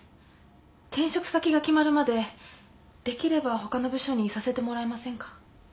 転職先が決まるまでできれば他の部署にいさせてもらえませんか？